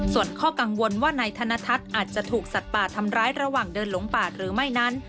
ส่วนข้อกังวลว่านายธนทัศน์อาจจะถูกสัตว์ป่าทำร้ายระหว่างเดินหลงป่าหรือไม่นั้น